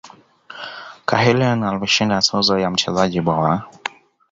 Karlheine alishinda tuzo ya mchezaji bora